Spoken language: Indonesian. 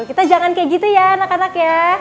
kita jangan kayak gitu ya anak anak ya